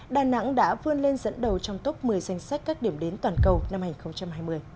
đà nẵng đã vươn lên dẫn đầu trong top một mươi danh sách các điểm đến toàn cầu năm hai nghìn hai mươi